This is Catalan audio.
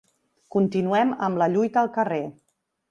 Continuem amb la lluita al carrer.